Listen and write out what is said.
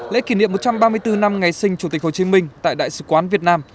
lễ kỷ niệm một trăm ba mươi bốn năm ngày sinh chủ tịch hồ chí minh tại đại sứ quán việt nam